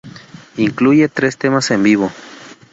Incluye tres temas en vivo.